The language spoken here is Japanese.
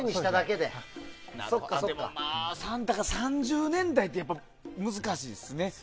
でもまあ、３０年代って難しいですね。